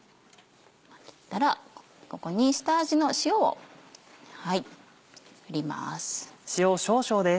切ったらここに下味の塩を振ります。